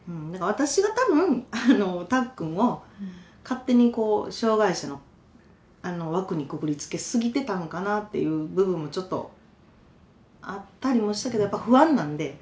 私が多分あのたっくんを勝手にこう障害者の枠にくくりつけすぎてたんかなっていう部分もちょっとあったりもしたけどやっぱ不安なんで。